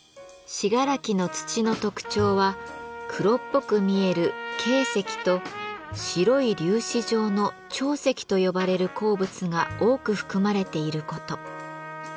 信楽の土の特徴は黒っぽく見える「珪石」と白い粒子状の「長石」と呼ばれる鉱物が多く含まれていること。